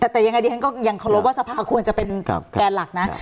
แต่ยังไงดิฉันก็ยังเคารพว่าสภาควรจะเป็นแกนหลักนะ